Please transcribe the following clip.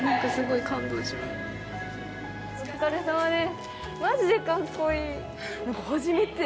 お疲れさまです。